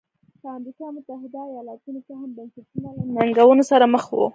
په امریکا متحده ایالتونو کې هم بنسټونه له ننګونو سره مخ وو.